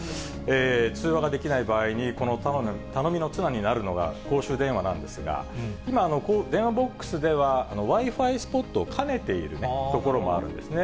通話ができない場合に、この頼みの綱になるのが、公衆電話なんですが、今、電話ボックスでは、Ｗｉ−Ｆｉスポットを兼ねているところもあるんですね。